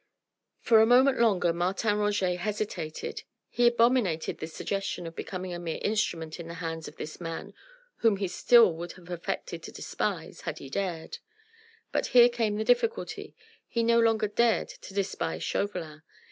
For a moment longer Martin Roget hesitated: he abominated this suggestion of becoming a mere instrument in the hands of this man whom he still would have affected to despise had he dared. But here came the difficulty: he no longer dared to despise Chauvelin.